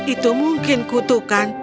itu mungkin kutukan